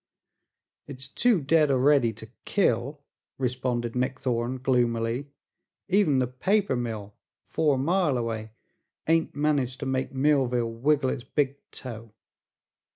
"It's too dead a'ready to kill," responded Nick Thorne gloomily. "Even the paper mill, four mile away, ain't managed to make Millville wiggle its big toe.